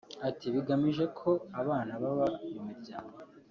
Ati “Bigamije ko abana baba mu miryango